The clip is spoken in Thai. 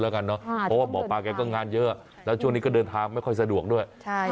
เพราะว่าหมอปลาแกก็งานเยอะแล้วช่วงนี้ก็เดินทางไม่ค่อยสะดวกด้วย